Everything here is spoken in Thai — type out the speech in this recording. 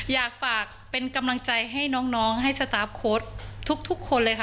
อยากฝากเป็นกำลังใจให้น้องให้สตาร์ฟโค้ดทุกคนเลยค่ะ